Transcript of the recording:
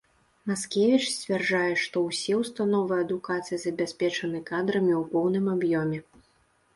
Маскевіч сцвярджае, што ўсе ўстановы адукацыі забяспечаны кадрамі ў поўным аб'ёме.